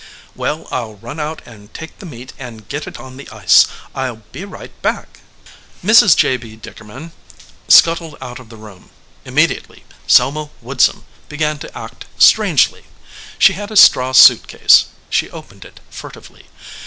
"Well, I ll run out and take the meat and get it on the ice. I ll be right back." Mrs. J. B. Dickerman scuttled out of the room. Immediately Selma Woodsum began to act strangely. She had a straw suit case. She opened it furtively.